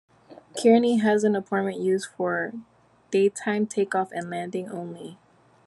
Kearny has an airport used for daytime take off and landing only.